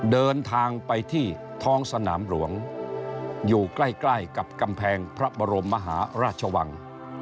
เดินทางไปที่ท้องสนามหลวงอยู่ใกล้ใกล้กับกำแพงพระบรมมหาราชวัง